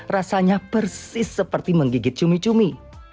rasanya persis seperti menggigit cumi cumi